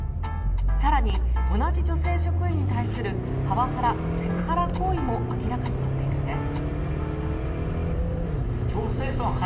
更に、同じ女性職員に対するパワハラ・セクハラ行為も明らかになっているんです。